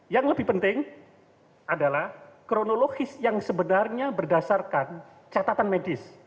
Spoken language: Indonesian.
yang lebih penting adalah kronologis yang sebenarnya berdasarkan catatan medis